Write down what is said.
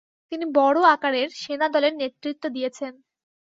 তিনি বড় আকারের সেনাদলের নেতৃত্ব দিয়েছেন।